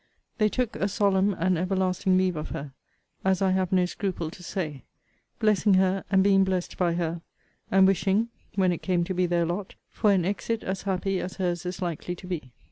They took a solemn and everlasting leave of her, as I have no scruple to say; blessing her, and being blessed by her; and wishing (when it came to be their lot) for an exit as happy as her's is likely to be.